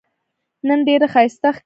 نن ډېره ښایسته ښکارې